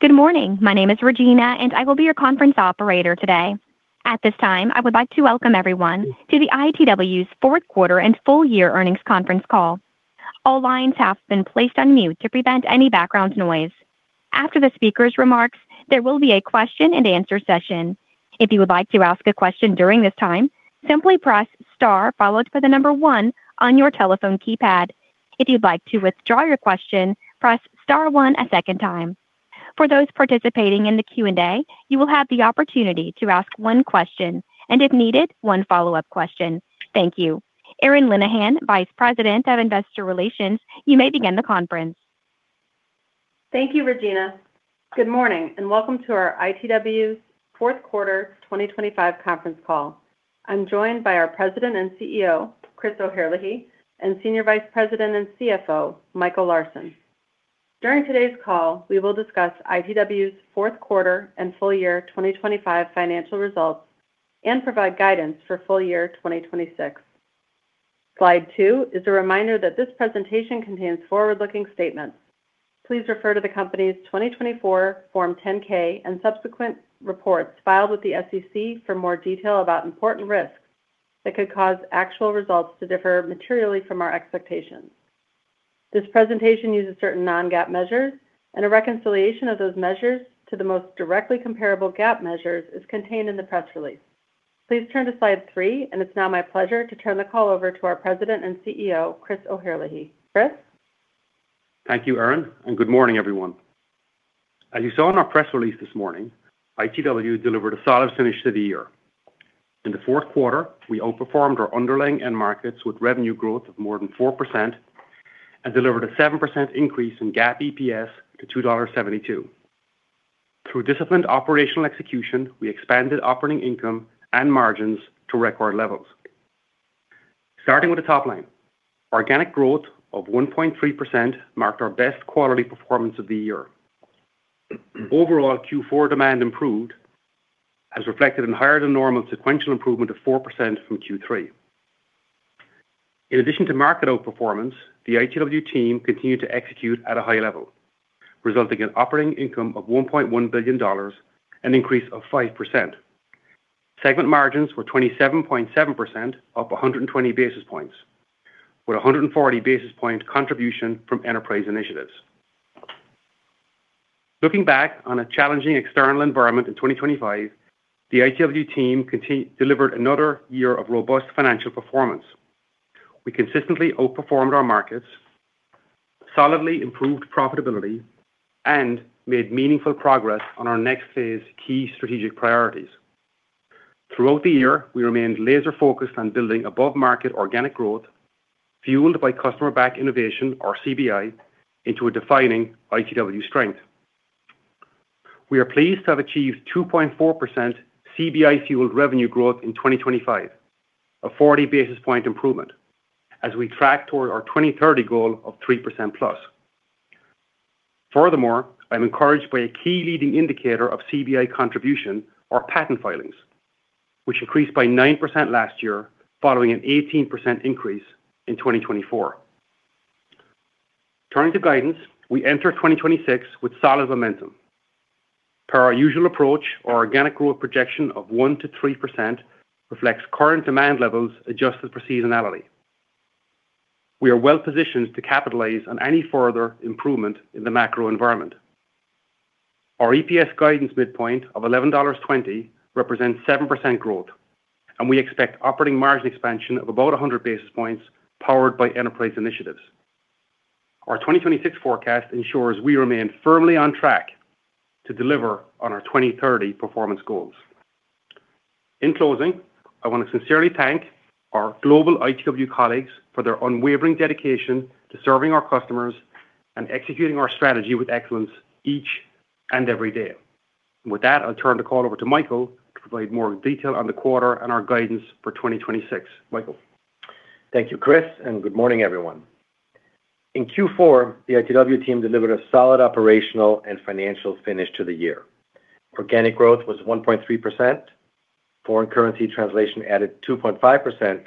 Good morning. My name is Regina, and I will be your conference operator today. At this time, I would like to welcome everyone to the ITW's fourth quarter and full year earnings conference call. All lines have been placed on mute to prevent any background noise. After the speaker's remarks, there will be a question-and-answer session. If you would like to ask a question during this time, simply press star, followed by the number one on your telephone keypad. If you'd like to withdraw your question, press star one a second time. For those participating in the Q&A, you will have the opportunity to ask one question, and if needed, one follow-up question. Thank you. Erin Linehan, Vice President of Investor Relations, you may begin the conference. Thank you, Regina. Good morning, and welcome to our ITW fourth quarter 2025 conference call. I'm joined by our President and CEO, Chris O'Herlihy, and Senior Vice President and CFO, Michael Larsen. During today's call, we will discuss ITW's fourth quarter and full year 2025 financial results and provide guidance for full year 2026. Slide two is a reminder that this presentation contains forward-looking statements. Please refer to the company's 2024 Form 10-K and subsequent reports filed with the SEC for more detail about important risks that could cause actual results to differ materially from our expectations. This presentation uses certain non-GAAP measures, and a reconciliation of those measures to the most directly comparable GAAP measures is contained in the press release. Please turn to Slide 3, and it's now my pleasure to turn the call over to our President and CEO, Chris O'Herlihy. Chris? Thank you, Erin, and good morning, everyone. As you saw in our press release this morning, ITW delivered a solid finish to the year. In the fourth quarter, we outperformed our underlying end markets with revenue growth of more than 4% and delivered a 7% increase in GAAP EPS to $2.72. Through disciplined operational execution, we expanded operating income and margins to record levels. Starting with the top line, organic growth of 1.3% marked our best quarterly performance of the year. Overall, Q4 demand improved, as reflected in higher than normal sequential improvement of 4% from Q3. In addition to market outperformance, the ITW team continued to execute at a high level, resulting in operating income of $1.1 billion, an increase of 5%. Segment margins were 27.7%, up 120 basis points, with 140 basis point contribution from Enterprise Initiatives. Looking back on a challenging external environment in 2025, the ITW team delivered another year of robust financial performance. We consistently outperformed our markets, solidly improved profitability, and made meaningful progress on our next phase key strategic priorities. Throughout the year, we remained laser-focused on building above-market organic growth, fueled by Customer-Backed Innovation, or CBI, into a defining ITW strength. We are pleased to have achieved 2.4% CBI-fueled revenue growth in 2025, a 40 basis point improvement, as we track toward our 2030 goal of 3%+. Furthermore, I'm encouraged by a key leading indicator of CBI contribution, our patent filings, which increased by 9% last year, following an 18% increase in 2024. Turning to guidance, we enter 2026 with solid momentum. Per our usual approach, our organic growth projection of 1%-3% reflects current demand levels adjusted for seasonality. We are well positioned to capitalize on any further improvement in the macro environment. Our EPS guidance midpoint of $11.20 represents 7% growth, and we expect operating margin expansion of about 100 basis points, powered by Enterprise Initiatives. Our 2026 forecast ensures we remain firmly on track to deliver on our 2030 performance goals. In closing, I want to sincerely thank our global ITW colleagues for their unwavering dedication to serving our customers and executing our strategy with excellence each and every day. With that, I'll turn the call over to Michael to provide more detail on the quarter and our guidance for 2026. Michael? Thank you, Chris, and good morning, everyone. In Q4, the ITW team delivered a solid operational and financial finish to the year. Organic growth was 1.3%, foreign currency translation added 2.5%,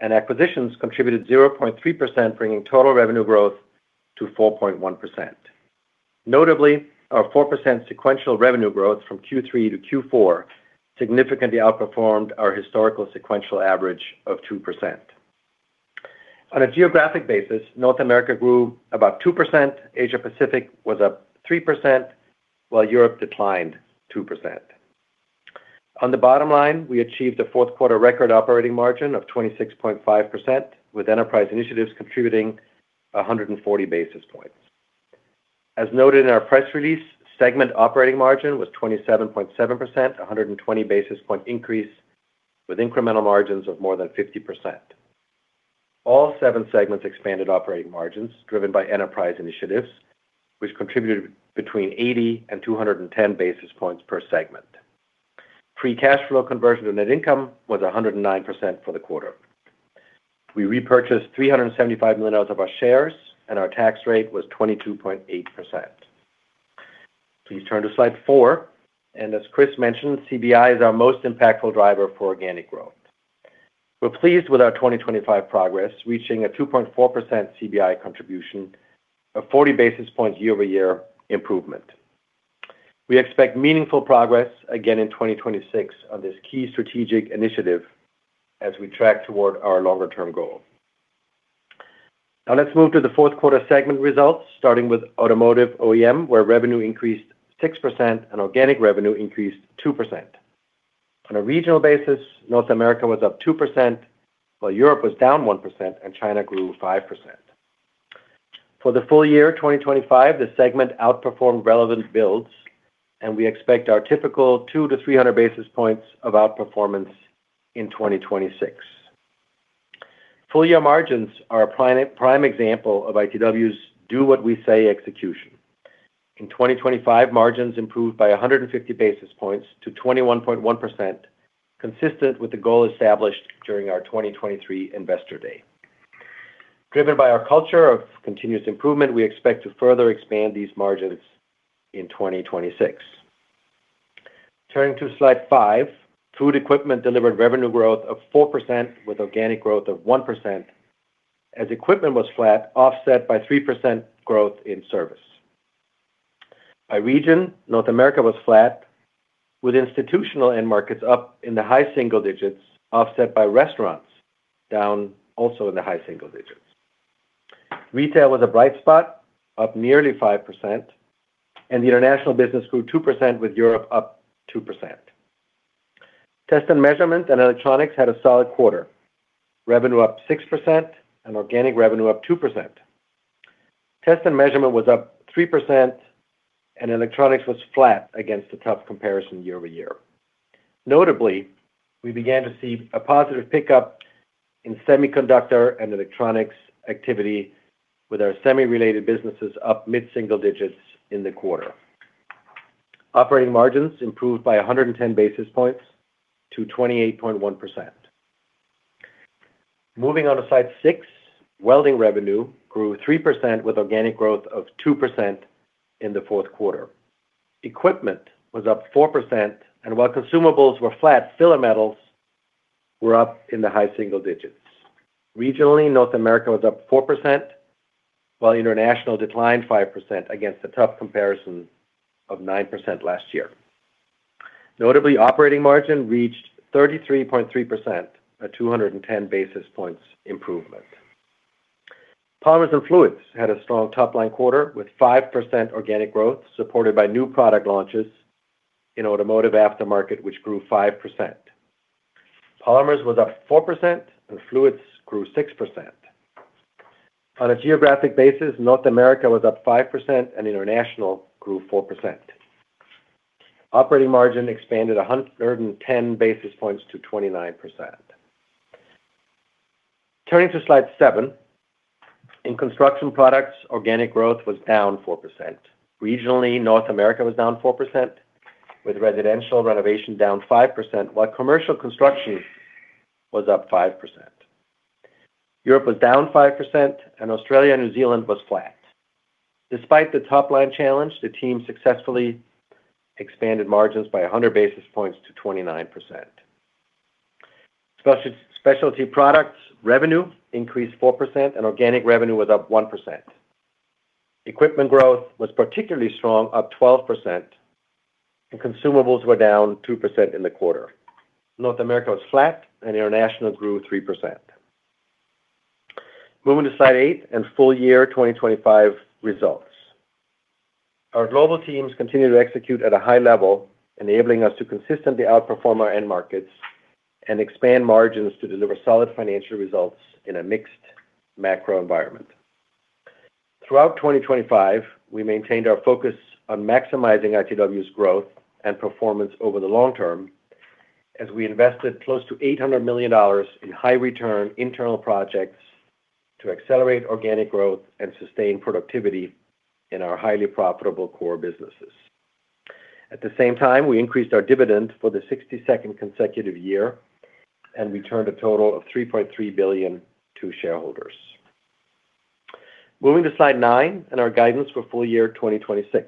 and acquisitions contributed 0.3%, bringing total revenue growth to 4.1%. Notably, our 4% sequential revenue growth from Q3-Q4 significantly outperformed our historical sequential average of 2%. On a geographic basis, North America grew about 2%, Asia Pacific was up 3%, while Europe declined 2%. On the bottom line, we achieved a fourth quarter record operating margin of 26.5%, with Enterprise Initiatives contributing 140 basis points. As noted in our press release, segment operating margin was 27.7%, 120 basis point increase, with incremental margins of more than 50%. All seven segments expanded operating margins driven by Enterprise Initiatives, which contributed between 80 and 210 basis points per segment. Free cash flow conversion to net income was 109% for the quarter. We repurchased $375 million of our shares, and our tax rate was 22.8%. Please turn to Slide 4, and as Chris mentioned, CBI is our most impactful driver for organic growth. We're pleased with our 2025 progress, reaching a 2.4% CBI contribution, a 40 basis point year-over-year improvement. We expect meaningful progress again in 2026 on this key strategic initiative as we track toward our longer-term goal. Now let's move to the fourth quarter segment results, starting with Automotive OEM, where revenue increased 6% and organic revenue increased 2%. On a regional basis, North America was up 2%, while Europe was down 1% and China grew 5%. For the full year 2025, the segment outperformed relevant builds, and we expect our typical 200-300 basis points of outperformance in 2026. Full year margins are a prime, prime example of ITW's Do What We Say execution. In 2025, margins improved by 150 basis points to 21.1%, consistent with the goal established during our 2023 Investor Day. Driven by our culture of continuous improvement, we expect to further expand these margins in 2026. Turning to Slide 5, Food Equipment delivered revenue growth of 4% with organic growth of 1%, as equipment was flat, offset by 3% growth in service. By region, North America was flat, with institutional end markets up in the high single digits, offset by restaurants down also in the high single digits. Retail was a bright spot, up nearly 5%, and the international business grew 2%, with Europe up 2%. Test and Measurement and Electronics had a solid quarter. Revenue up 6% and organic revenue up 2%. Test and Measurement was up 3%, and Electronics was flat against a tough comparison year over year. Notably, we began to see a positive pickup in semiconductor and electronics activity with our semi-related businesses up mid-single digits in the quarter. Operating margins improved by a hundred and ten basis points to 28.1%. Moving on to Slide 6, Welding revenue grew 3% with organic growth of 2% in the fourth quarter. Equipment was up 4%, and while consumables were flat, filler metals were up in the high single digits. Regionally, North America was up 4%, while international declined 5% against a tough comparison of 9% last year. Notably, operating margin reached 33.3%, a 210 basis points improvement. Polymers and Fluids had a strong top-line quarter, with 5% organic growth, supported by new product launches in automotive aftermarket, which grew 5%. Polymers was up 4%, and Fluids grew 6%. On a geographic basis, North America was up 5%, and international grew 4%. Operating margin expanded a 110 basis points to 29%. Turning to Slide 7. In Construction Products, organic growth was down 4%. Regionally, North America was down 4%, with residential renovation down 5%, while commercial construction was up 5%. Europe was down 5%, and Australia and New Zealand was flat. Despite the top-line challenge, the team successfully expanded margins by 100 basis points to 29%. Specialty Products revenue increased 4% and organic revenue was up 1%. Equipment growth was particularly strong, up 12%, and consumables were down 2% in the quarter. North America was flat and international grew 3%. Moving to Slide 8 and full year 2025 results. Our global teams continue to execute at a high level, enabling us to consistently outperform our end markets and expand margins to deliver solid financial results in a mixed macro environment. Throughout 2025, we maintained our focus on maximizing ITW's growth and performance over the long term, as we invested close to $800 million in high-return internal projects to accelerate organic growth and sustain productivity in our highly profitable core businesses. At the same time, we increased our dividend for the 62nd consecutive year and returned a total of $3.3 billion to shareholders. Moving to Slide 9 and our guidance for full year 2026.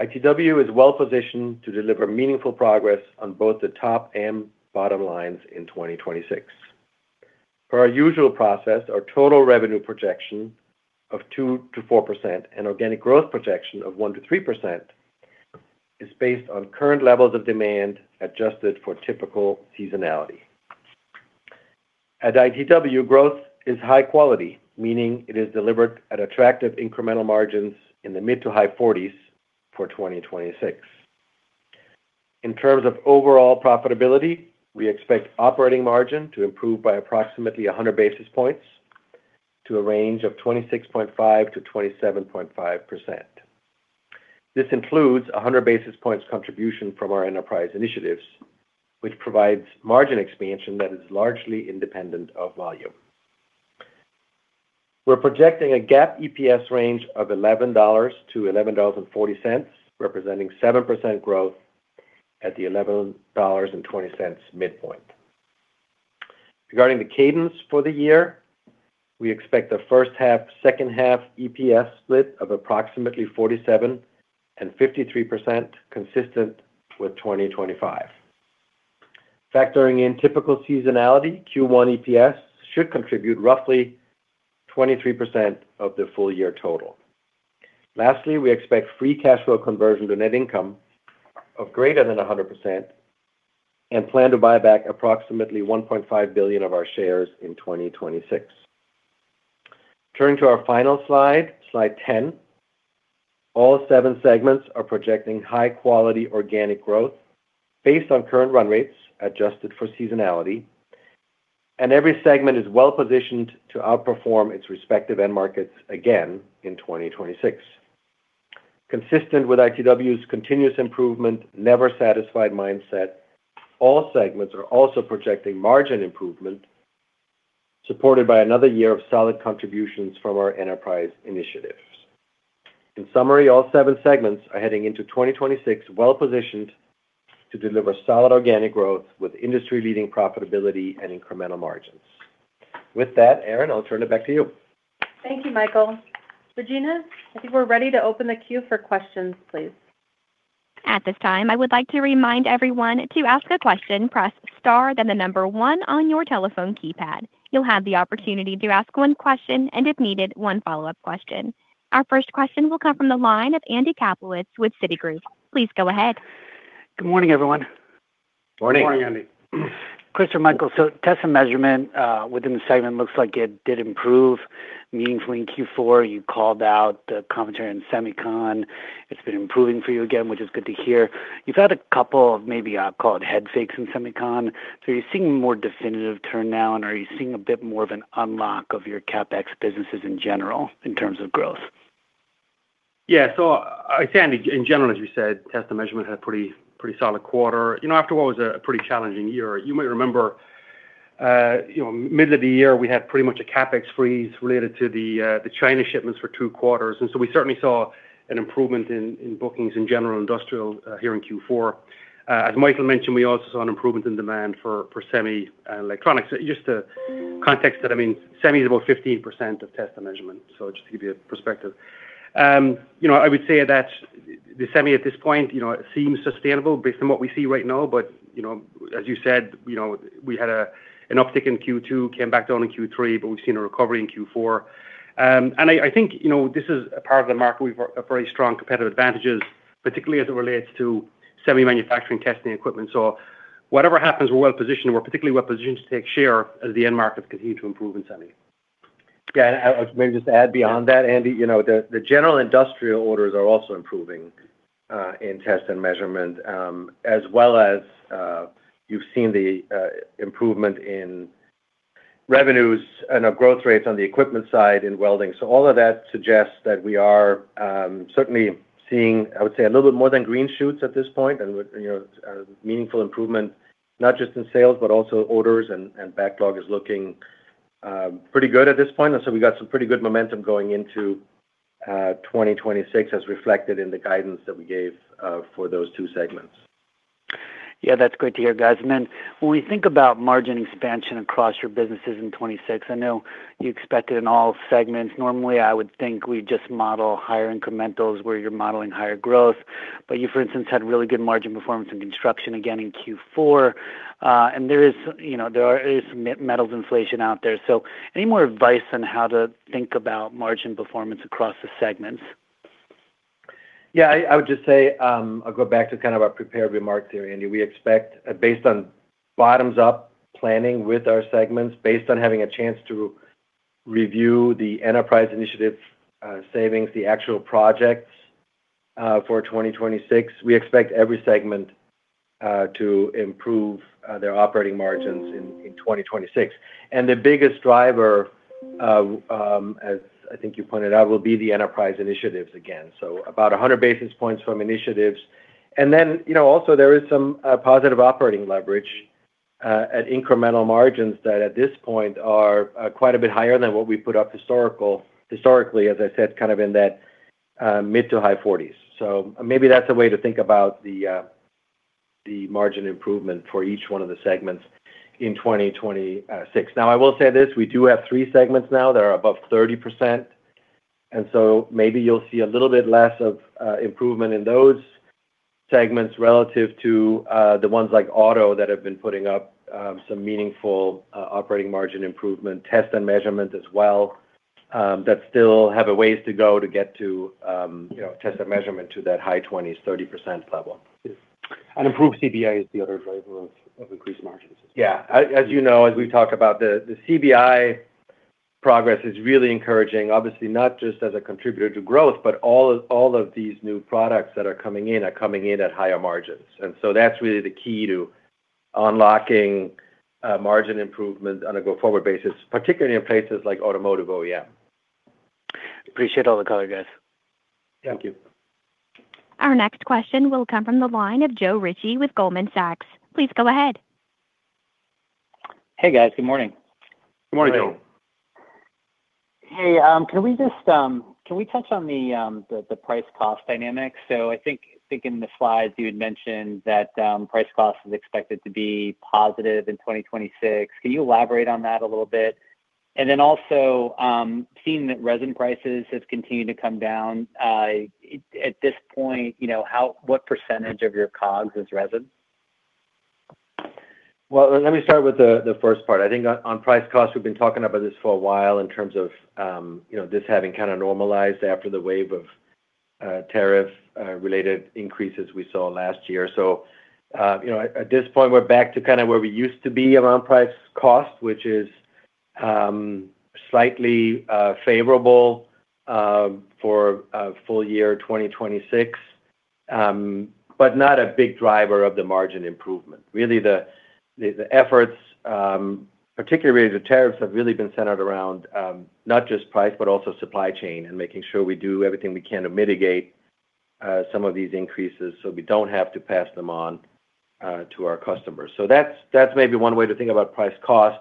ITW is well positioned to deliver meaningful progress on both the top and bottom lines in 2026. Per our usual process, our total revenue projection of 2%-4% and organic growth projection of 1%-3% is based on current levels of demand, adjusted for typical seasonality. At ITW, growth is high quality, meaning it is delivered at attractive incremental margins in the mid to high forties for 2026. In terms of overall profitability, we expect operating margin to improve by approximately 100 basis points to a range of 26.5%-27.5%. This includes 100 basis points contribution from our Enterprise Initiatives, which provides margin expansion that is largely independent of volume. We're projecting a GAAP EPS range of $11-$11.40, representing 7% growth at the $11.20 midpoint. Regarding the cadence for the year, we expect a first half, second half EPS split of approximately 47%-53%, consistent with 2025. Factoring in typical seasonality, Q1 EPS should contribute roughly 23% of the full year total. Lastly, we expect free cash flow conversion to net income of greater than 100%, and plan to buy back approximately $1.5 billion of our shares in 2026. Turning to our final Slide, Slide 10. All seven segments are projecting high-quality organic growth based on current run rates, adjusted for seasonality, and every segment is well-positioned to outperform its respective end markets again in 2026. Consistent with ITW's continuous improvement, never satisfied mindset, all segments are also projecting margin improvement, supported by another year of solid contributions from our Enterprise Initiatives. In summary, all seven segments are heading into 2026 well-positioned to deliver solid organic growth with industry-leading profitability and incremental margins. With that, Erin, I'll turn it back to you. Thank you, Michael. Regina, I think we're ready to open the queue for questions, please. At this time, I would like to remind everyone, to ask a question, press star, then the number one on your telephone keypad. You'll have the opportunity to ask one question, and if needed, one follow-up question. Our first question will come from the line of Andy Kaplowitz with Citigroup. Please go ahead. Good morning, everyone. Morning. Morning, Andy. Chris or Michael, so Test and Measurement within the segment looks like it did improve meaningfully in Q4. You called out the commentary on semicon. It's been improving for you again, which is good to hear. You've had a couple of maybe, call it, head fakes in semicon. So are you seeing more definitive turn now, and are you seeing a bit more of an unlock of your CapEx businesses in general, in terms of growth? Yeah. So I say, in general, as you said, Test and Measurement had a pretty, pretty solid quarter. You know, after what was a, a pretty challenging year. You might remember, you know, mid of the year, we had pretty much a CapEx freeze related to the, the China shipments for two quarters. And so we certainly saw an improvement in, in bookings in general industrial, here in Q4. As Michael mentioned, we also saw an improvement in demand for, for semi and electronics. Just to context that, I mean, semi is about 15% of Test and Measurement. So just to give you a perspective. You know, I would say that the semi at this point, you know, it seems sustainable based on what we see right now, but, you know, as you said, you know, we had an uptick in Q2, came back down in Q3, but we've seen a recovery in Q4. And I think, you know, this is a part of the market. We've a very strong competitive advantages, particularly as it relates to semi manufacturing, testing equipment. So whatever happens, we're well positioned. We're particularly well positioned to take share as the end markets continue to improve in semi. Yeah, I maybe just add beyond that, Andy, you know, the, the general industrial orders are also improving in Test and Measurement, as well as, you've seen the improvement in revenues and our growth rates on the equipment side in Welding. So all of that suggests that we are certainly seeing, I would say, a little bit more than green shoots at this point, and with, you know, meaningful improvement, not just in sales, but also orders and, and backlog is looking pretty good at this point. And so we've got some pretty good momentum going into 2026, as reflected in the guidance that we gave for those two segments. Yeah, that's great to hear, guys. And then when we think about margin expansion across your businesses in 2026, I know you expect it in all segments. Normally, I would think we just model higher incrementals where you're modeling higher growth. But you, for instance, had really good margin performance in construction again in Q4. And there is, you know, metals inflation out there. So any more advice on how to think about margin performance across the segments? Yeah, I would just say, I'll go back to kind of our prepared remarks here, Andy. We expect, based on bottoms-up planning with our segments, based on having a chance to review the enterprise initiative savings, the actual projects for 2026, we expect every segment to improve their operating margins in 2026. And the biggest driver, as I think you pointed out, will be the Enterprise Initiatives again. So about 100 basis points from initiatives. And then, you know, also there is some positive operating leverage at incremental margins that at this point are quite a bit higher than what we put up historically, as I said, kind of in that mid- to high forties. So maybe that's a way to think about the, the margin improvement for each one of the segments in 2026. Now, I will say this, we do have three segments now that are above 30%, and so maybe you'll see a little bit less of, improvement in those segments relative to, the ones like auto, that have been putting up, some meaningful, operating margin improvement, Test and Measurement as well, that still have a ways to go to get to, you know, Test and Measurement to that high 20s, 30% level. Yes. Improved CBI is the other driver of increased margins. Yeah. As you know, as we talk about the CBI progress is really encouraging, obviously, not just as a contributor to growth, but all of these new products that are coming in are coming in at higher margins. And so that's really the key to unlocking margin improvement on a go-forward basis, particularly in places like Automotive OEM. Appreciate all the color, guys. Thank you. Our next question will come from the line of Joe Ritchie with Goldman Sachs. Please go ahead. Hey, guys. Good morning. Good morning, Joe.... Hey, can we just, can we touch on the price cost dynamics? So I think, I think in the Slides, you had mentioned that, price cost is expected to be positive in 2026. Can you elaborate on that a little bit? And then also, seeing that resin prices have continued to come down, at this point, you know, what percentage of your COGS is resin? Well, let me start with the first part. I think on price costs, we've been talking about this for a while in terms of, you know, this having kind of normalized after the wave of tariff related increases we saw last year. So, you know, at this point, we're back to kind of where we used to be around price cost, which is slightly favorable for a full year, 2026, but not a big driver of the margin improvement. Really, the efforts, particularly the tariffs, have really been centered around not just price, but also supply chain and making sure we do everything we can to mitigate some of these increases, so we don't have to pass them on to our customers. So that's maybe one way to think about price cost.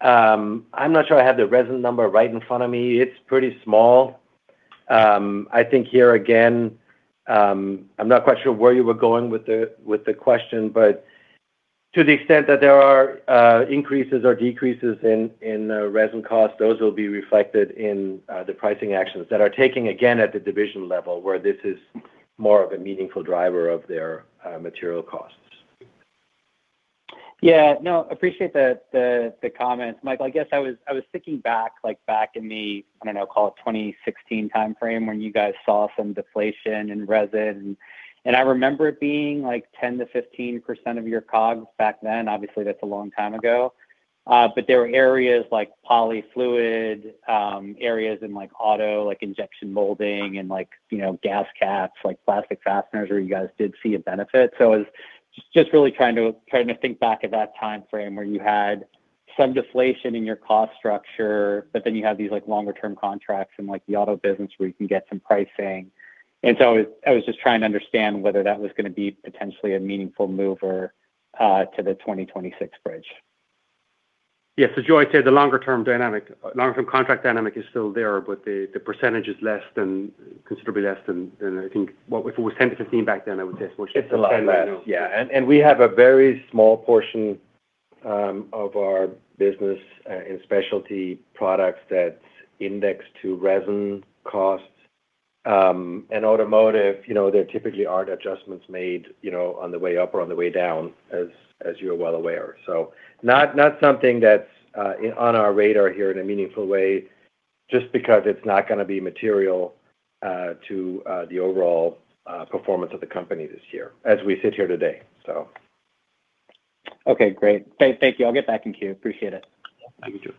I'm not sure I have the resin number right in front of me. It's pretty small. I think here again, I'm not quite sure where you were going with the question, but to the extent that there are increases or decreases in the resin cost, those will be reflected in the pricing actions that are taking, again, at the division level, where this is more of a meaningful driver of their material costs. Yeah. No, appreciate the comments, Michael. I guess I was thinking back, like, back in the, I don't know, call it 2016 timeframe, when you guys saw some deflation in resin. And I remember it being like 10%-15% of your COGS back then. Obviously, that's a long time ago. But there were areas like Poly Fluids, areas in like auto, like injection molding and like, you know, gas caps, like plastic fasteners, where you guys did see a benefit. So I was just really trying to think back at that time frame where you had some deflation in your cost structure, but then you had these, like, longer-term contracts in, like, the auto business, where you can get some pricing. I was just trying to understand whether that was gonna be potentially a meaningful mover to the 2026 bridge. Yes. So Joe, I'd say the longer term dynamic—long-term contract dynamic is still there, but the percentage is less than, considerably less than, I think what it was 10-15 back then, I would say, which is- It's a lot less. Yeah. And we have a very small portion of our business in specialty products that index to resin costs, and automotive, you know, there typically aren't adjustments made, you know, on the way up or on the way down, as you're well aware. So not something that's on our radar here in a meaningful way, just because it's not gonna be material to the overall performance of the company this year as we sit here today, so. Okay, great. Thank, thank you. I'll get back in queue. Appreciate it. Thank you, Joe.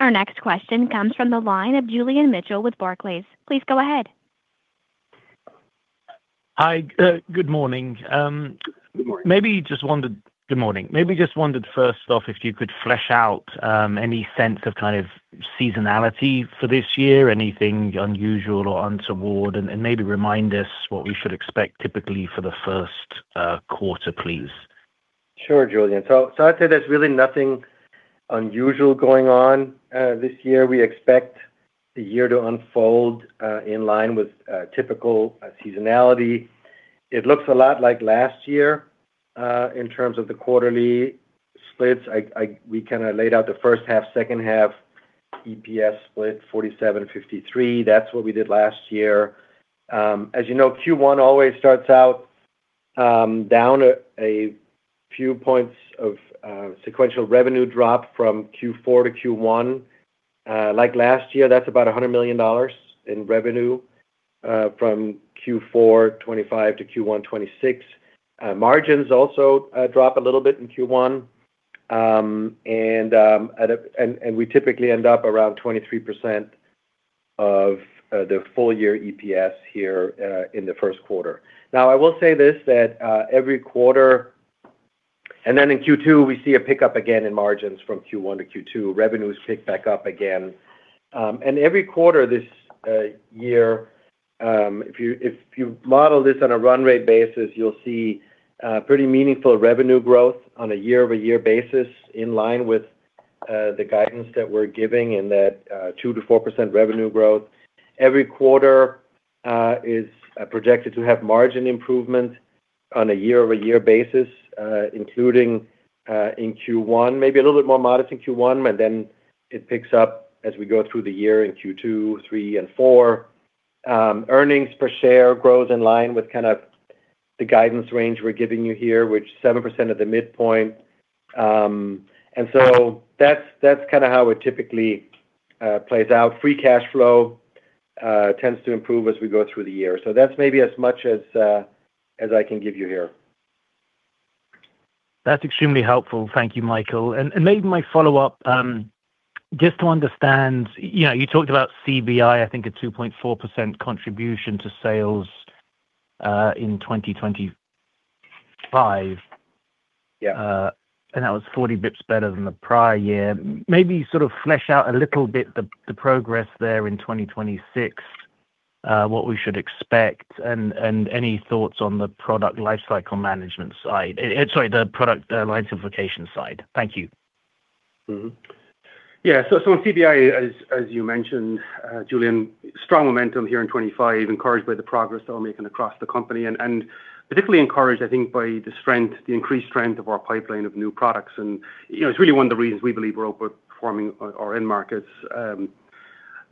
Our next question comes from the line of Julian Mitchell with Barclays. Please go ahead. Hi. Good morning. Good morning. Good morning. Maybe just wondered, first off, if you could flesh out any sense of kind of seasonality for this year, anything unusual or untoward? And maybe remind us what we should expect typically for the first quarter, please. Sure, Julian. So I'd say there's really nothing unusual going on this year. We expect the year to unfold in line with typical seasonality. It looks a lot like last year in terms of the quarterly splits. We kind of laid out the first half, second half, EPS split, 47, 53. That's what we did last year. As you know, Q1 always starts out down a few points of sequential revenue drop from Q4-Q1. Like last year, that's about $100 million in revenue from Q4 2025 to Q1 2026. Margins also drop a little bit in Q1, and we typically end up around 23% of the full year EPS here in the first quarter. Now, I will say this, that, every quarter. Then in Q2, we see a pickup again in margins from Q1-Q2. Revenues pick back up again. Every quarter this year, if you, if you model this on a run rate basis, you'll see, pretty meaningful revenue growth on a year-over-year basis, in line with, the guidance that we're giving in that, 2%-4% revenue growth. Every quarter is projected to have margin improvement on a year-over-year basis, including, in Q1, maybe a little bit more modest in Q1, but then it picks up as we go through the year in Q2, Q3, and Q4. Earnings per share grows in line with kind of the guidance range we're giving you here, which 7% at the midpoint. And so that's, that's kind of how it typically plays out. Free cash flow tends to improve as we go through the year. So that's maybe as much as, as I can give you here. That's extremely helpful. Thank you, Michael. Maybe my follow-up, just to understand, you know, you talked about CBI, I think, a 2.4% contribution to sales in 2025. Yeah. And that was 40 basis points better than the prior year. Maybe sort of flesh out a little bit the progress there in 2026.... what we should expect, and any thoughts on the product lifecycle management side. Sorry, the Product Line Simplification side. Thank you. Yeah, so on CBI, as you mentioned, Julian, strong momentum here in 2025, encouraged by the progress that we're making across the company, and particularly encouraged, I think, by the strength, the increased strength of our pipeline of new products. And, you know, it's really one of the reasons we believe we're outperforming our end markets.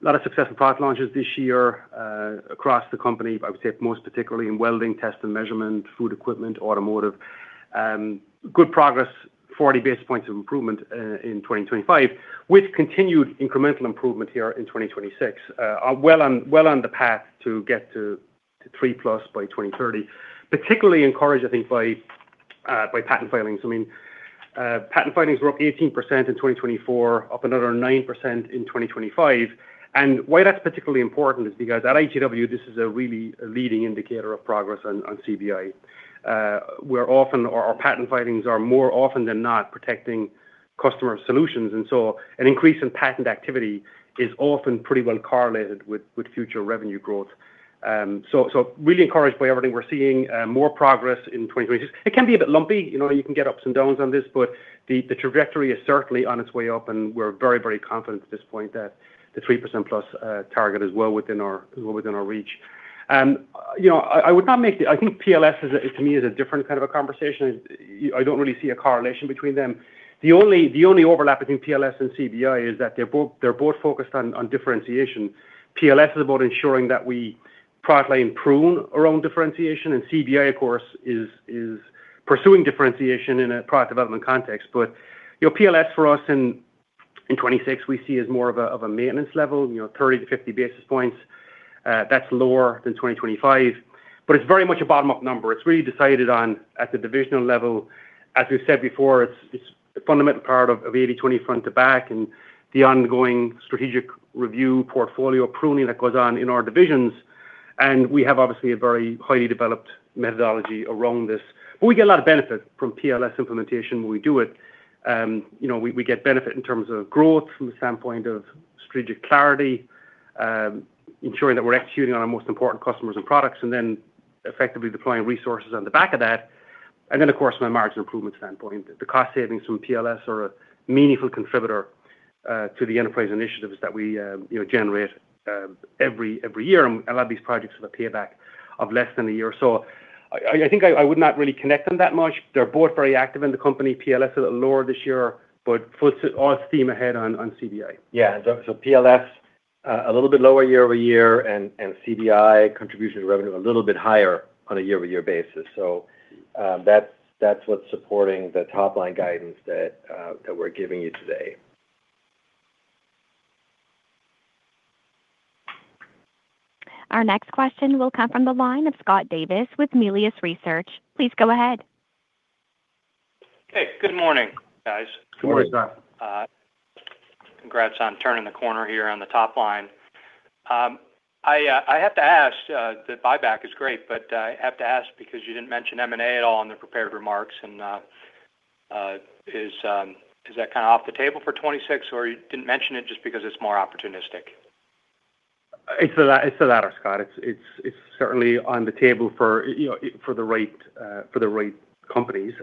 A lot of successful product launches this year, across the company. I would say most particularly in Welding, Test and Measurement, Food Equipment, Automotive. Good progress, 40 basis points of improvement, in 2025, with continued incremental improvement here in 2026. Well on the path to get to three plus by 2030. Particularly encouraged, I think, by patent filings. I mean, patent filings were up 18% in 2024, up another 9% in 2025. And why that's particularly important is because at ITW, this is really a leading indicator of progress on CBI. Where often our patent filings are more often than not protecting customer solutions, and so an increase in patent activity is often pretty well correlated with future revenue growth. So, so really encouraged by everything we're seeing, more progress in 2026. It can be a bit lumpy. You know, you can get ups and downs on this, but the trajectory is certainly on its way up, and we're very, very confident at this point that the 3% plus target is well within our reach. You know, I would not make the... I think PLS is, to me, a different kind of a conversation. I don't really see a correlation between them. The only overlap between PLS and CBI is that they're both focused on differentiation. PLS is about ensuring that we properly improve around differentiation, and CBI, of course, is pursuing differentiation in a product development context. But, you know, PLS for us in 2026, we see as more of a maintenance level, you know, 30-50 basis points. That's lower than 2025, but it's very much a bottom-up number. It's really decided on at the divisional level. As we've said before, it's a fundamental part of 80/20 Front-to-Back and the ongoing strategic review portfolio pruning that goes on in our divisions, and we have, obviously, a very highly developed methodology around this. But we get a lot of benefit from PLS implementation when we do it. You know, we get benefit in terms of growth from the standpoint of strategic clarity, ensuring that we're executing on our most important customers and products, and then effectively deploying resources on the back of that. And then, of course, from a margin improvement standpoint, the cost savings from PLS are a meaningful contributor to the Enterprise Initiatives that we, you know, generate every year. And a lot of these projects have a payback of less than a year. So I think I would not really connect them that much. They're both very active in the company. PLS is a little lower this year, but full steam ahead on CBI. Yeah, so, so PLS a little bit lower year-over-year, and CBI contribution to revenue a little bit higher on a year-over-year basis. So, that's what's supporting the top-line guidance that we're giving you today. Our next question will come from the line of Scott Davis with Melius Research. Please go ahead. Hey, good morning, guys. Good morning, Scott. Good morning. Congrats on turning the corner here on the top line. I have to ask, the buyback is great, but I have to ask because you didn't mention M&A at all on the prepared remarks, and is that kind of off the table for 2026, or you didn't mention it just because it's more opportunistic? It's the latter, Scott. It's certainly on the table for, you know, for the right companies.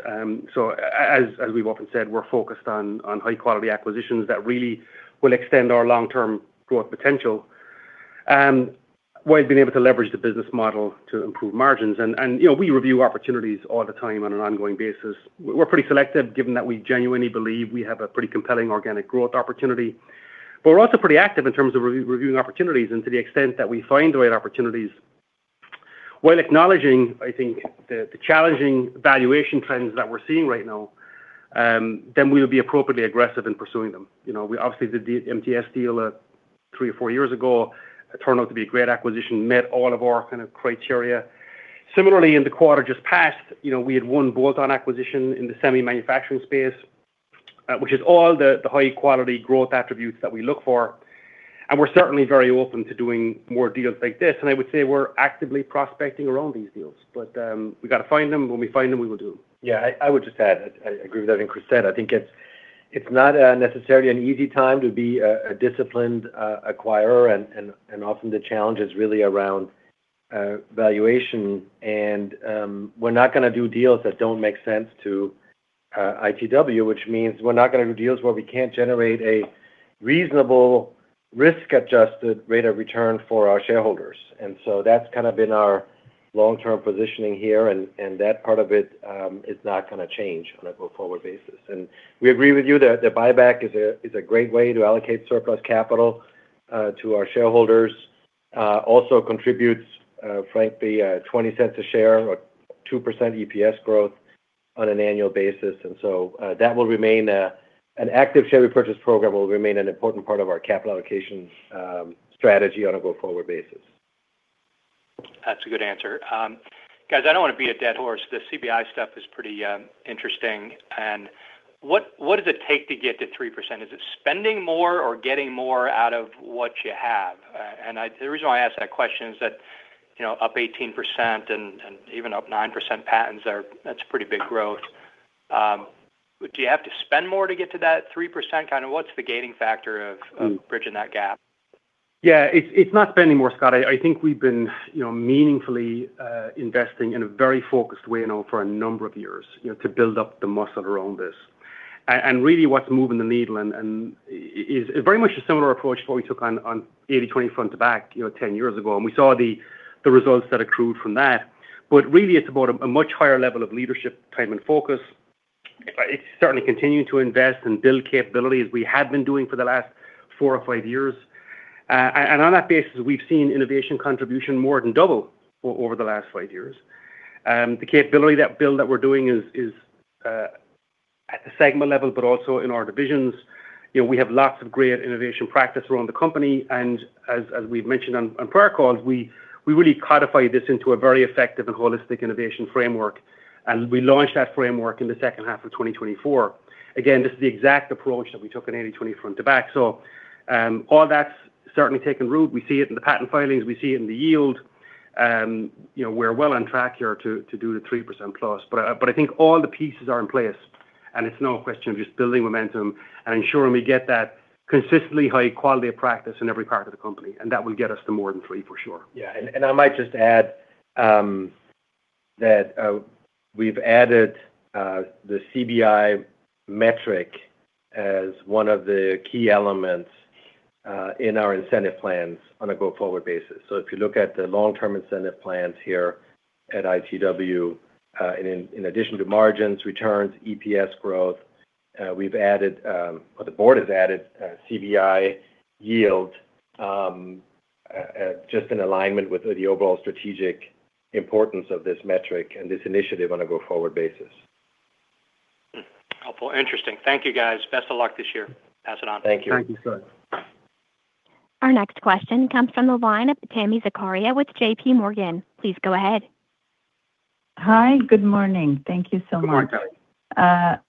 So as we've often said, we're focused on high quality acquisitions that really will extend our long-term growth potential, while being able to leverage the business model to improve margins. And you know, we review opportunities all the time on an ongoing basis. We're pretty selective, given that we genuinely believe we have a pretty compelling organic growth opportunity. But we're also pretty active in terms of reviewing opportunities, and to the extent that we find the right opportunities, while acknowledging, I think, the challenging valuation trends that we're seeing right now, then we'll be appropriately aggressive in pursuing them. You know, we obviously did the MTS deal three or four years ago. It turned out to be a great acquisition, met all of our kind of criteria. Similarly, in the quarter just passed, you know, we had one bolt-on acquisition in the semi-manufacturing space, which is all the high quality growth attributes that we look for, and we're certainly very open to doing more deals like this. And I would say we're actively prospecting around these deals, but, we've got to find them. When we find them, we will do them. Yeah, I would just add, I agree with everything Chris said. I think it's not necessarily an easy time to be a disciplined acquirer, and often the challenge is really around valuation. And we're not gonna do deals that don't make sense to ITW, which means we're not gonna do deals where we can't generate a reasonable risk-adjusted rate of return for our shareholders. And so that's kind of been our long-term positioning here, and that part of it is not gonna change on a go-forward basis. And we agree with you that the buyback is a great way to allocate surplus capital to our shareholders. Also contributes, frankly, $0.20 a share, or 2% EPS growth on an annual basis. That will remain an active share repurchase program will remain an important part of our capital allocation strategy on a go-forward basis. That's a good answer. Guys, I don't want to beat a dead horse. The CBI stuff is pretty interesting. And what does it take to get to 3%? Is it spending more or getting more out of what you have? And the reason why I ask that question is that you know, up 18% and even up 9% patents are, that's a pretty big growth. Do you have to spend more to get to that 3%? Kinda what's the gaining factor of bridging that gap? Yeah, it's not spending more, Scott. I think we've been, you know, meaningfully investing in a very focused way now for a number of years, you know, to build up the muscle around this. And really, what's moving the needle and is very much a similar approach that we took on 80/20 front to back, you know, 10 years ago, and we saw the results that accrued from that. But really, it's about a much higher level of leadership, time, and focus. It's certainly continuing to invest and build capabilities we had been doing for the last four or five years. And on that basis, we've seen innovation contribution more than double over the last 5 years. The capability that build that we're doing is at the segment level, but also in our divisions. You know, we have lots of great innovation practice around the company, and as we've mentioned on prior calls, we really codify this into a very effective and holistic innovation framework, and we launched that framework in the second half of 2024. Again, this is the exact approach that we took in 80/20 Front-to-Back. So, all that's certainly taken root. We see it in the patent filings, we see it in the yield. You know, we're well on track here to do the 3% plus. But, I think all the pieces are in place, and it's now a question of just building momentum and ensuring we get that consistently high quality of practice in every part of the company, and that will get us to more than three, for sure. Yeah. And I might just add that we've added the CBI metric as one of the key elements in our incentive plans on a go-forward basis. So if you look at the long-term incentive plans here at ITW, and in addition to margins, returns, EPS growth, we've added, or the board has added, CBI yield, just in alignment with the overall strategic importance of this metric and this initiative on a go-forward basis. Hmm. Helpful. Interesting. Thank you, guys. Best of luck this year. Pass it on. Thank you. Thank you, Scott. Our next question comes from the line of Tami Zakaria with J.P. Morgan. Please go ahead. Hi, good morning. Thank you so much. Good morning.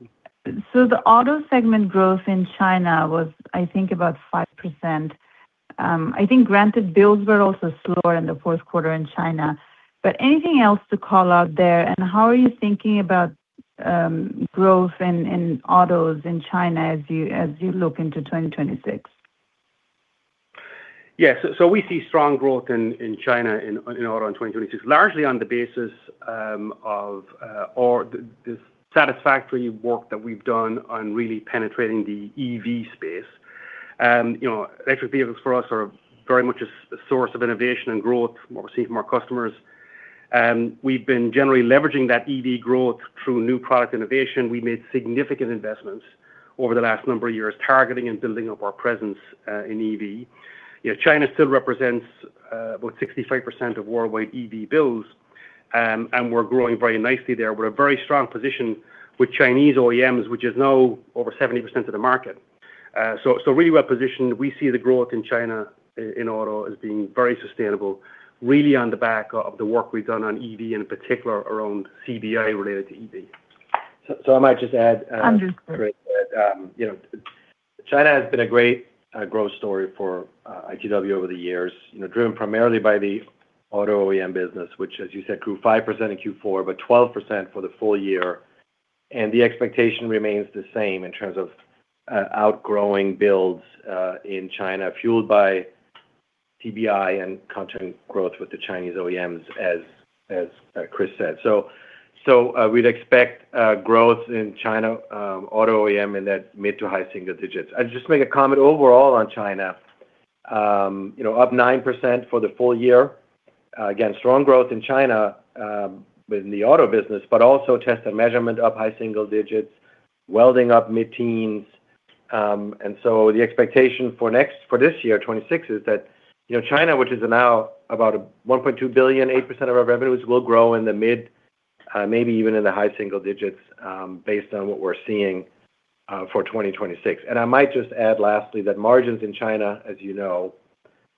So the auto segment growth in China was, I think, about 5%. I think, granted, builds were also slower in the fourth quarter in China, but anything else to call out there, and how are you thinking about growth in, in autos in China as you, as you look into 2026? Yeah. So we see strong growth in China, in auto in 2026, largely on the basis of the satisfactory work that we've done on really penetrating the EV space. You know, electric vehicles for us are very much a source of innovation and growth from what we're seeing from our customers. And we've been generally leveraging that EV growth through new product innovation. We made significant investments over the last number of years, targeting and building up our presence in EV. You know, China still represents about 65% of worldwide EV builds, and we're growing very nicely there. We're in a very strong position with Chinese OEMs, which is now over 70% of the market. So really well positioned. We see the growth in China in auto as being very sustainable, really on the back of the work we've done on EV, in particular, around CBI related to EV. So, I might just add, And so.... you know, China has been a great, growth story for, ITW over the years, you know, driven primarily by the auto OEM business, which, as you said, grew 5% in Q4, but 12% for the full year. The expectation remains the same in terms of, outgrowing builds, in China, fueled by CBI and continued growth with the Chinese OEMs, as Chris said. So, we'd expect, growth in China, auto OEM in that mid to high single digits. I'd just make a comment overall on China. You know, up 9% for the full year. Again, strong growth in China, with the auto business, but also Test and Measurement of high single digits, welding up mid-teens. And so the expectation for this year, 2026, is that, you know, China, which is now about a $1.2 billion, 8% of our revenues, will grow in the mid, maybe even in the high single digits, based on what we're seeing, for 2026. And I might just add, lastly, that margins in China, as you know,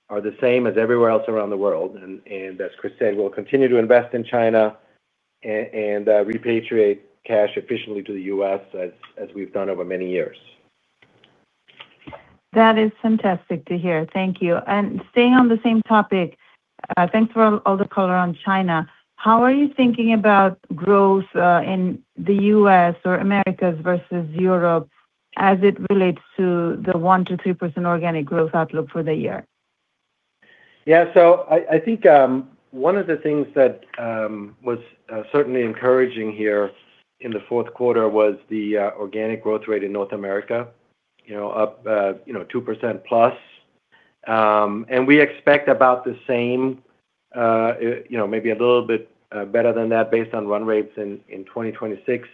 are the same as everywhere else around the world. And as Chris said, we'll continue to invest in China and repatriate cash efficiently to the U.S., as we've done over many years. That is fantastic to hear. Thank you. Staying on the same topic, thanks for all, all the color on China. How are you thinking about growth in the U.S. or Americas versus Europe as it relates to the 1%-3% organic growth outlook for the year? Yeah. So I think, one of the things that was certainly encouraging here in the fourth quarter was the organic growth rate in North America. You know, up, you know, 2% plus. And we expect about the same, you know, maybe a little bit better than that, based on run rates in 2026.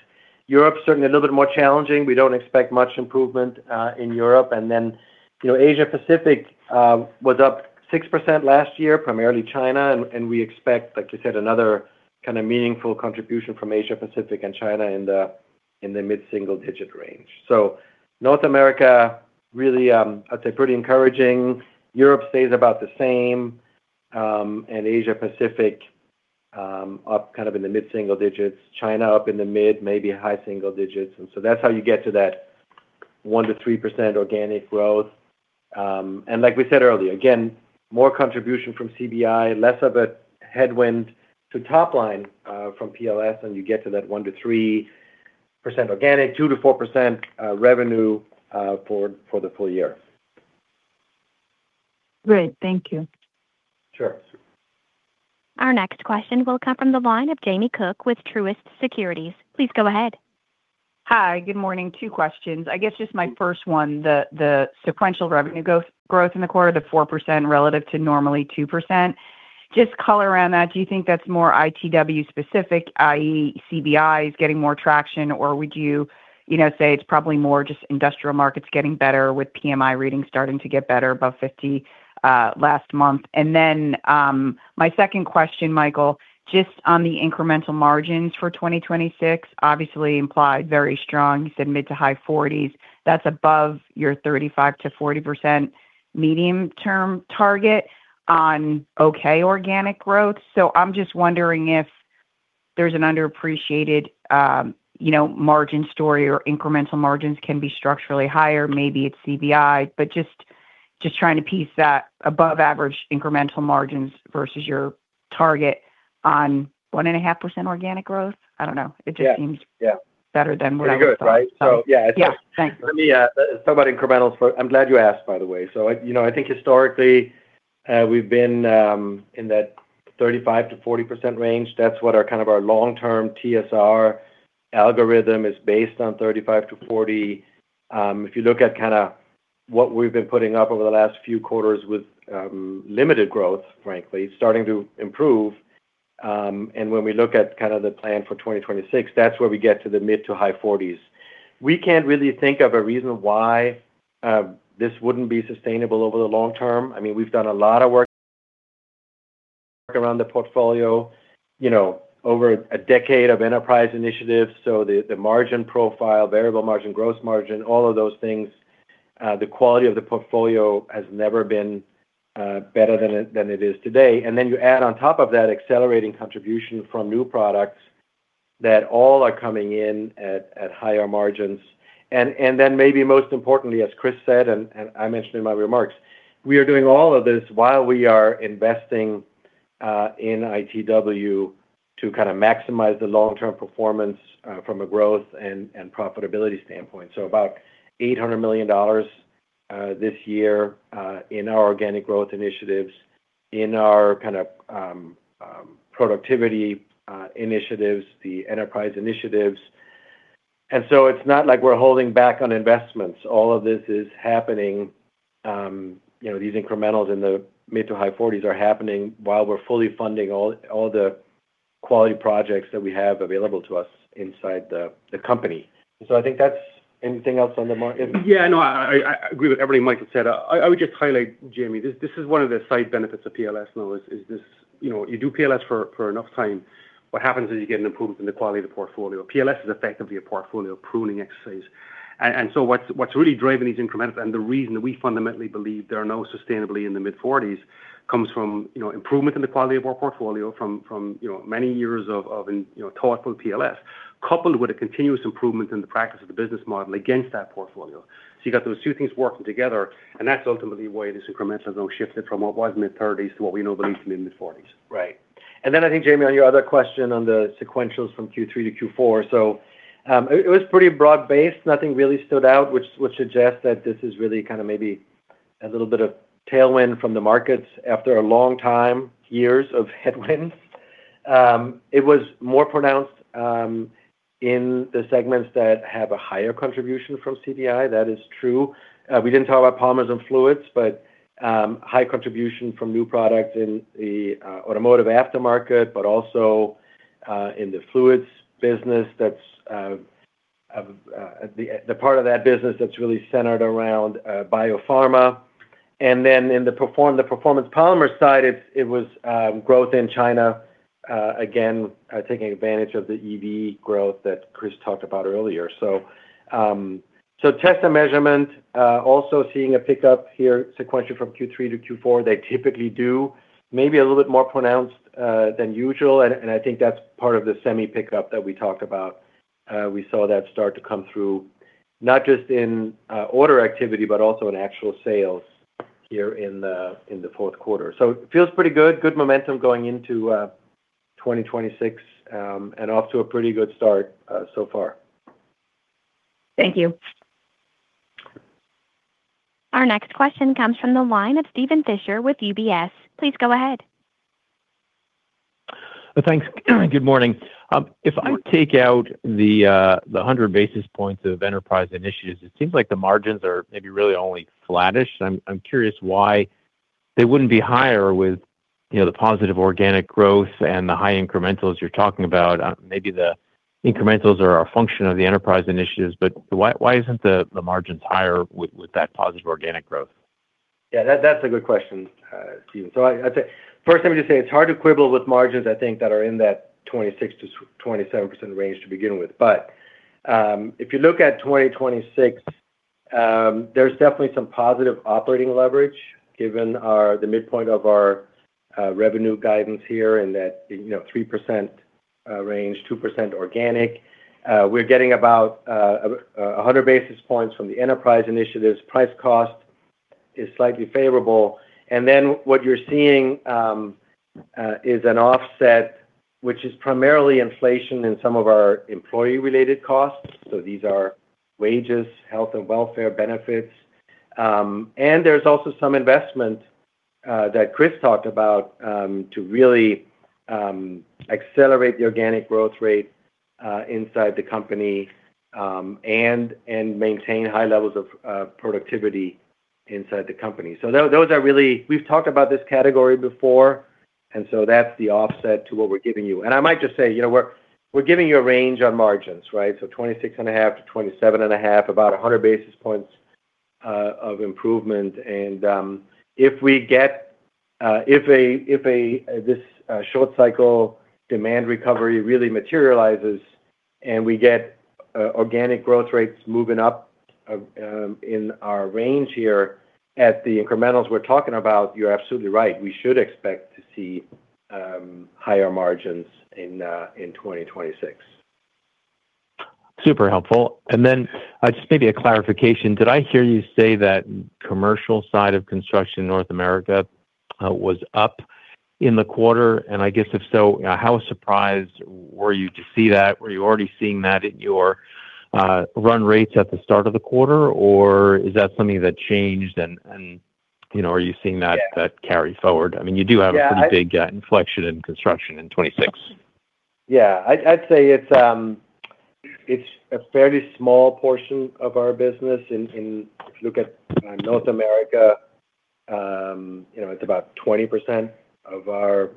Europe, certainly a little bit more challenging. We don't expect much improvement in Europe. And then, you know, Asia Pacific was up 6% last year, primarily China, and we expect, like you said, another kinda meaningful contribution from Asia Pacific and China in the mid-single-digit range. So North America, really, I'd say pretty encouraging. Europe stays about the same, and Asia Pacific up kind of in the mid-single digits. China up in the mid, maybe high single digits. And so that's how you get to that 1%-3% organic growth. And like we said earlier, again, more contribution from CBI, less of a headwind to top line from PLS, and you get to that 1%-3% organic, 2%-4% revenue for the full year. Great. Thank you. Sure. Our next question will come from the line of Jamie Cook with Truist Securities. Please go ahead. Hi, good morning. Two questions. I guess just my first one, the sequential revenue growth in the quarter, the 4% relative to normally 2%. Just color around that, do you think that's more ITW specific, i.e., CBI is getting more traction? Or would you, you know, say it's probably more just industrial markets getting better with PMI readings starting to get better above 50 last month? And then, my second question, Michael, just on the incremental margins for 2026, obviously implied very strong. You said mid- to high 40s. That's above your 35%-40% medium-term target on okay organic growth. So I'm just wondering if there's an underappreciated, you know, margin story or incremental margins can be structurally higher. Maybe it's CBI, but just, just trying to piece that above average incremental margins versus your target on 1.5% organic growth. I don't know. Yeah. It just seems- Yeah Better than what I thought. Very good, right? So, yeah. Yeah. Thanks. Let me talk about incrementals for... I'm glad you asked, by the way. So I, you know, I think historically, we've been in that 35%-40% range. That's what our kind of our long-term TSR algorithm is based on 35%-40%. If you look at kind of what we've been putting up over the last few quarters with limited growth, frankly, starting to improve, and when we look at kind of the plan for 2026, that's where we get to the mid- to high 40s. We can't really think of a reason why this wouldn't be sustainable over the long term. I mean, we've done a lot of work around the portfolio, you know, over a decade of Enterprise Initiatives. So the margin profile, variable margin, gross margin, all of those things, the quality of the portfolio has never been better than it is today. And then you add on top of that, accelerating contribution from new products that all are coming in at higher margins. And then maybe most importantly, as Chris said, and I mentioned in my remarks, we are doing all of this while we are investing in ITW to kind of maximize the long-term performance from a growth and profitability standpoint. So about $800 million this year in our organic growth initiatives, in our kind of productivity initiatives, the Enterprise Initiatives. And so it's not like we're holding back on investments. All of this is happening, you know, these incrementals in the mid- to high 40s are happening while we're fully funding all the quality projects that we have available to us inside the company. So I think that's... Anything else on the margin? Yeah. No, I agree with everything Michael said. I would just highlight, Jamie, this is one of the side benefits of PLS now, is this, you know, you do PLS for enough time, what happens is you get an improvement in the quality of the portfolio. PLS is effectively a portfolio pruning exercise. And so what's really driving these incrementals, and the reason that we fundamentally believe they are now sustainably in the mid-forties, comes from, you know, improvement in the quality of our portfolio from many years of thoughtful PLS, coupled with a continuous improvement in the practice of the business model against that portfolio. So you got those two things working together, and that's ultimately why this incremental zone shifted from what was mid-thirties to what we know at least in mid-forties. Right. And then I think, Jamie, on your other question on the sequentials from Q3-Q4, so, it was pretty broad-based. Nothing really stood out, which suggests that this is really kind of maybe a little bit of tailwind from the markets after a long time, years of headwind. It was more pronounced in the segments that have a higher contribution from CBI. That is true. We didn't talk about Polymers and Fluids, but high contribution from new products in the automotive aftermarket, but also in the Fluids business, that's the part of that business that's really centered around biopharma. And then in the performance Polymers side, it was growth in China, again, taking advantage of the EV growth that Chris talked about earlier. So, so Test and Measurement, also seeing a pickup here, sequential from Q3-Q4, they typically do. Maybe a little bit more pronounced, than usual, and, and I think that's part of the semi pickup that we talked about. We saw that start to come through, not just in, order activity, but also in actual sales here in the, in the fourth quarter. So it feels pretty good. Good momentum going into, 2026, and off to a pretty good start, so far. Thank you. Our next question comes from the line of Steven Fisher with UBS. Please go ahead. Thanks. Good morning. If I take out the, the 100 basis points of Enterprise Initiatives, it seems like the margins are maybe really only flattish. I'm, I'm curious why they wouldn't be higher with, you know, the positive organic growth and the high incrementals you're talking about. Maybe the incrementals are a function of the Enterprise Initiatives, but why, why isn't the, the margins higher with, with that positive organic growth? Yeah, that, that's a good question, Steven. So I'd say, first, let me just say it's hard to quibble with margins, I think, that are in that 26%-27% range to begin with. But, if you look at 2026, there's definitely some positive operating leverage given our, the midpoint of our revenue guidance here in that, you know, 3%, range, 2% organic. We're getting about 100 basis points from the Enterprise Initiatives. Price cost is slightly favorable. And then what you're seeing is an offset, which is primarily inflation in some of our employee-related costs. So these are wages, health and welfare benefits. And there's also some investment that Chris talked about to really accelerate the organic growth rate inside the company and maintain high levels of productivity inside the company. So those are really. We've talked about this category before, and so that's the offset to what we're giving you. And I might just say, you know, we're giving you a range on margins, right? So 26.5-27.5, about 100 basis points of improvement. And if this short cycle demand recovery really materializes and we get organic growth rates moving up in our range here at the incrementals we're talking about, you're absolutely right, we should expect to see higher margins in 2026. Super helpful. And then, just maybe a clarification. Did I hear you say that commercial side of construction in North America was up in the quarter? And I guess if so, how surprised were you to see that? Were you already seeing that in your run rates at the start of the quarter, or is that something that changed and, you know, are you seeing that- Yeah. -that carry forward? I mean, you do have a pretty- Yeah, I- Big inflection in construction in 2026. Yeah. I'd say it's a fairly small portion of our business in... If you look at North America, you know, it's about 20% of our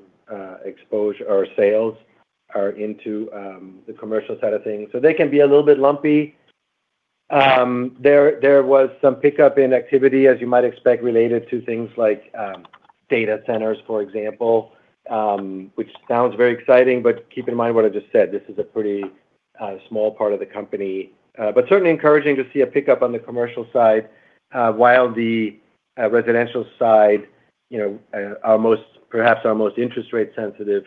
exposure or sales are into the commercial side of things. So they can be a little bit lumpy. There was some pickup in activity, as you might expect, related to things like data centers, for example, which sounds very exciting, but keep in mind what I just said, this is a pretty small part of the company. But certainly encouraging to see a pickup on the commercial side, while the residential side, you know, our most, perhaps our most interest rate sensitive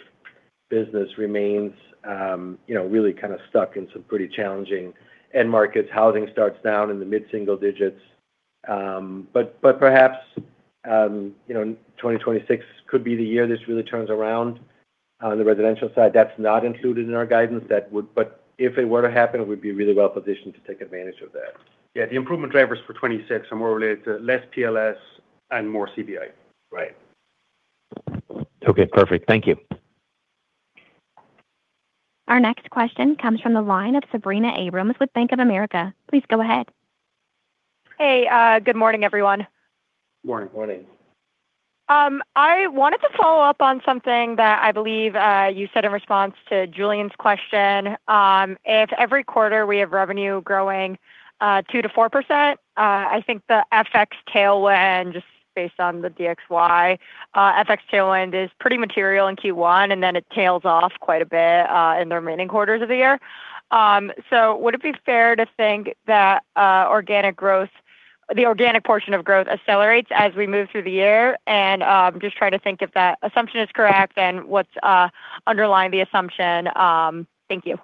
business remains, you know, really kind of stuck in some pretty challenging end markets. Housing starts down in the mid-single digits. But perhaps, you know, 2026 could be the year this really turns around. On the residential side, that's not included in our guidance. That would, but if it were to happen, it would be really well positioned to take advantage of that. Yeah, the improvement drivers for 2026 are more related to less PLS and more CBI. Right. Okay, perfect. Thank you. Our next question comes from the line of Sabrina Abrams with Bank of America. Please go ahead. Hey, good morning, everyone. Morning. Morning. I wanted to follow up on something that I believe you said in response to Julian's question. If every quarter we have revenue growing 2%-4%, I think the FX tailwind, just based on the DXY, FX tailwind is pretty material in Q1, and then it tails off quite a bit in the remaining quarters of the year. So would it be fair to think that organic growth—the organic portion of growth accelerates as we move through the year? Just trying to think if that assumption is correct and what's underlying the assumption. Thank you.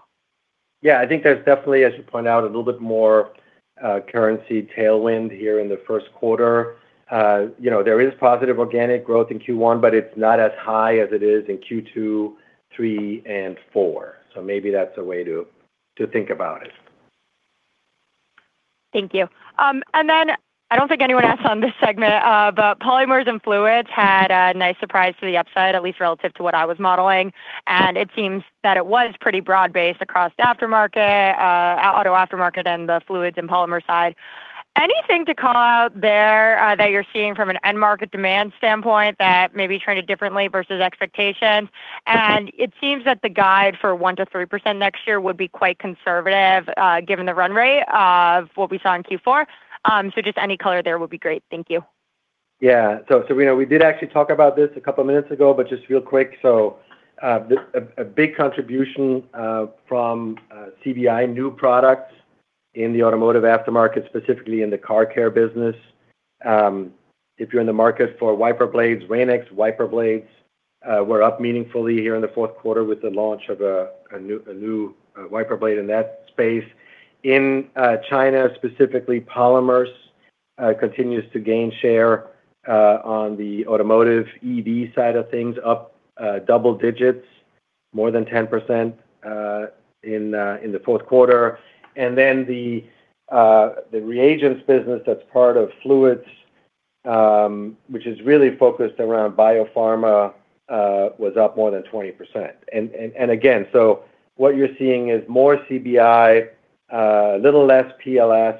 Yeah, I think there's definitely, as you point out, a little bit more currency tailwind here in the first quarter. You know, there is positive organic growth in Q1, but it's not as high as it is in Q2, three, and four. So maybe that's a way to think about it. Thank you. And then I don't think anyone asked on this segment, but Polymers and Fluids had a nice surprise to the upside, at least relative to what I was modeling. And it seems that it was pretty broad-based across the aftermarket, auto aftermarket and the Fluids and Polymers side. Anything to call out there that you're seeing from an end market demand standpoint that maybe traded differently versus expectations? And it seems that the guide for 1%-3% next year would be quite conservative, given the run rate of what we saw in Q4. So just any color there would be great. Thank you. Yeah. So, Sabrina, we did actually talk about this a couple of minutes ago, but just real quick. So, a big contribution from CBI new products in the automotive aftermarket, specifically in the car care business. If you're in the market for wiper blades, Rain-X wiper blades were up meaningfully here in the fourth quarter with the launch of a new wiper blade in that space. In China, specifically, Polymers continues to gain share on the automotive EV side of things, up double digits, more than 10% in the fourth quarter. And then the Reagents business that's part of Fluids, which is really focused around biopharma, was up more than 20%. Again, so what you're seeing is more CBI, a little less PLS,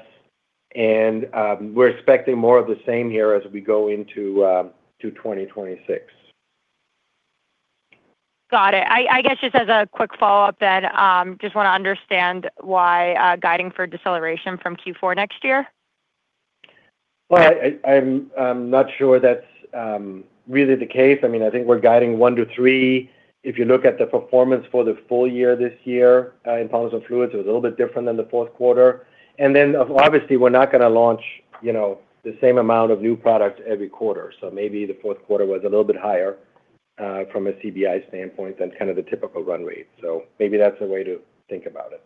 and we're expecting more of the same here as we go into 2026. Got it. I guess, just as a quick follow-up then, just want to understand why guiding for deceleration from Q4 next year? Well, I'm not sure that's really the case. I mean, I think we're guiding 1%-3%. If you look at the performance for the full year this year, in Polymers and Fluids, it was a little bit different than the fourth quarter. And then, obviously, we're not gonna launch, you know, the same amount of new products every quarter. So maybe the fourth quarter was a little bit higher, from a CBI standpoint than kind of the typical run rate. So maybe that's a way to think about it.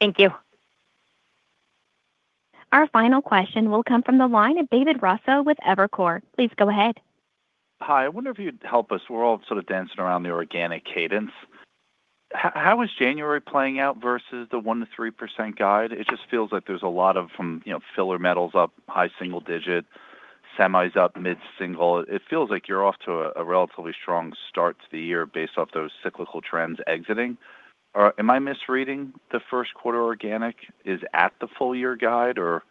Thank you. Our final question will come from the line of David Raso with Evercore. Please go ahead. Hi. I wonder if you'd help us. We're all sort of dancing around the organic cadence. How is January playing out versus the 1%-3% guide? It just feels like there's a lot of from, you know, filler metals up, high single digit, semis up, mid-single. It feels like you're off to a relatively strong start to the year based off those cyclical trends exiting. Or am I misreading? The first quarter organic is at the full year guide or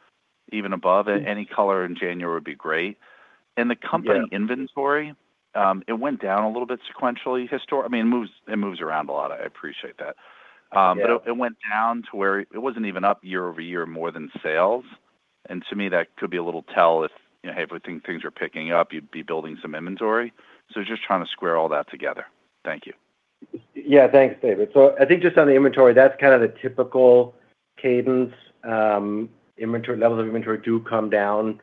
even above? Any color in January would be great. Yeah. The company inventory, it went down a little bit sequentially, historically. I mean, it moves, it moves around a lot. I appreciate that. Yeah. But it went down to where it wasn't even up year over year, more than sales. And to me, that could be a little tell if, you know, hey, if things are picking up, you'd be building some inventory. So just trying to square all that together. Thank you. Yeah. Thanks, David. So I think just on the inventory, that's kind of the typical cadence. Inventory levels of inventory do come down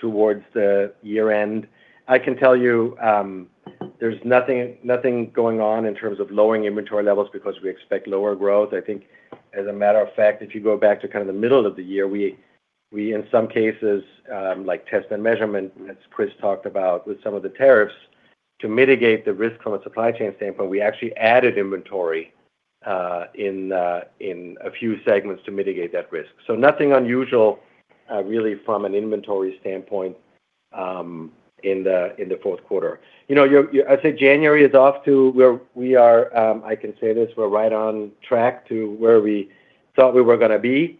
towards the year-end. I can tell you, there's nothing, nothing going on in terms of lowering inventory levels because we expect lower growth. I think as a matter of fact, if you go back to kind of the middle of the year, we in some cases, like Test and Measurement, as Chris talked about with some of the tariffs, to mitigate the risk from a supply chain standpoint, we actually added inventory in a few segments to mitigate that risk. So nothing unusual, really, from an inventory standpoint, in the fourth quarter. You know, I'd say January is off to where we are. I can say this, we're right on track to where we thought we were gonna be.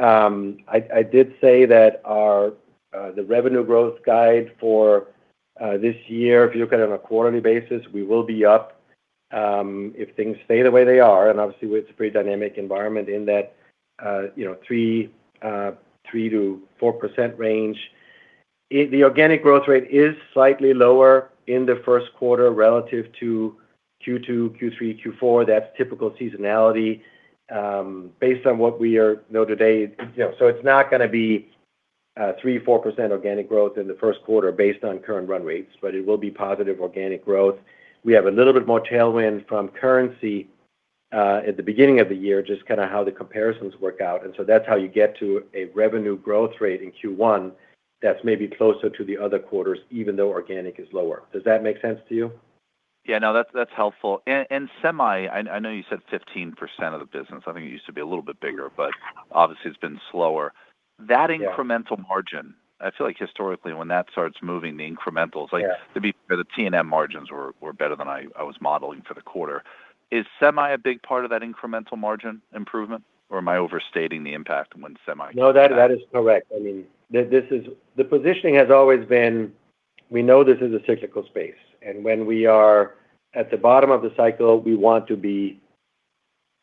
I did say that our the revenue growth guide for this year, if you look at it on a quarterly basis, we will be up if things stay the way they are, and obviously, it's a pretty dynamic environment in that, you know, 3%-4% range. The organic growth rate is slightly lower in the first quarter relative to Q2, Q3, Q4. That's typical seasonality, based on what we know today. You know, so it's not gonna be 3%-4% organic growth in the first quarter based on current run rates, but it will be positive organic growth. We have a little bit more tailwind from currency, at the beginning of the year, just kind of how the comparisons work out. And so that's how you get to a revenue growth rate in Q1 that's maybe closer to the other quarters, even though organic is lower. Does that make sense to you? Yeah. No, that's, that's helpful. And, and semi, I, I know you said 15% of the business. I think it used to be a little bit bigger, but obviously, it's been slower. Yeah. That incremental margin, I feel like historically, when that starts moving, the incrementals- Yeah... like the T&M margins were better than I was modeling for the quarter. Is semi a big part of that incremental margin improvement, or am I overstating the impact when semi- No, that is correct. I mean, this is the positioning has always been, we know this is a cyclical space, and when we are at the bottom of the cycle, we want to be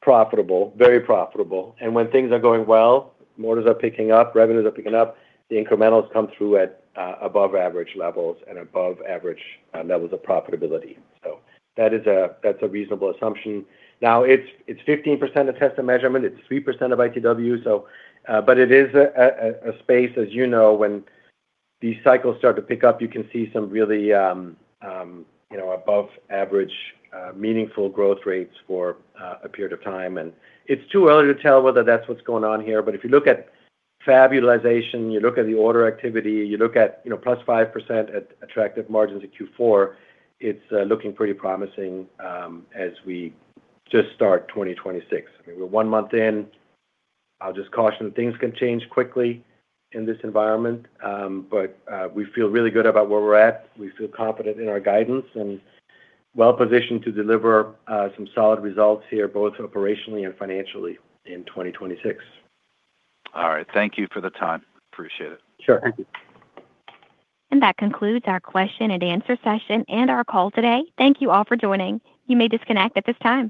profitable, very profitable. And when things are going well, markets are picking up, revenues are picking up, the incrementals come through at above average levels and above average levels of profitability. So that is a reasonable assumption. Now, it's 15% of Test and Measurement, it's 3% of ITW, so, but it is a space, as you know, when these cycles start to pick up, you can see some really, you know, above average, meaningful growth rates for a period of time. And it's too early to tell whether that's what's going on here. But if you look at fab utilization, you look at the order activity, you look at, you know, plus 5% at attractive margins in Q4, it's looking pretty promising, as we just start 2026. I mean, we're one month in. I'll just caution, things can change quickly in this environment, but we feel really good about where we're at. We feel confident in our guidance and well positioned to deliver some solid results here, both operationally and financially, in 2026. All right. Thank you for the time. Appreciate it. Sure. That concludes our question and answer session and our call today. Thank you all for joining. You may disconnect at this time.